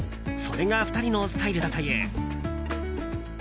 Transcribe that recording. それが２人のスタイルだという。